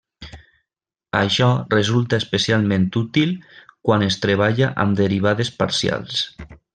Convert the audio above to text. Això resulta especialment útil quan es treballa amb derivades parcials.